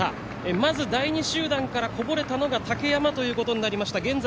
まず第２集団からこぼれたのが竹山ということになりました。